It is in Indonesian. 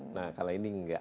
nah kalau ini enggak